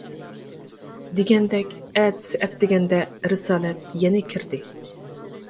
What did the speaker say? دېگەندەك ئەتىسى ئەتىگەندە رىسالەت يەنە كىردى.